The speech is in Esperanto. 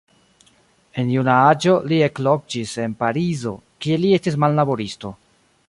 En juna aĝo li ekloĝis en Parizo, kie li estis manlaboristo.